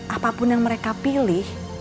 apapun yang mereka pilih